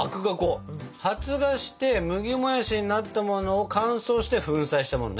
発芽して「麦もやし」になったものを乾燥して粉砕したものね？